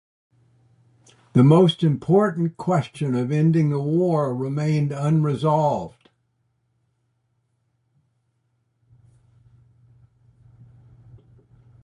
The most important question of ending the war remained unresolved.